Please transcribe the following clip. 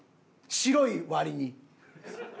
白い割に。